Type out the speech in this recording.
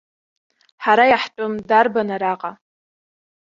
Ҳара иаҳтәым дарбан араҟа?!